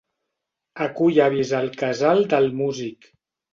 Acull avis al Casal del Músic.